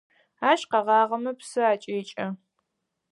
Ащ къэгъагъэмэ псы акӏекӏэ.